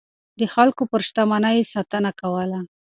د خلکو پر شتمنيو يې ساتنه کوله.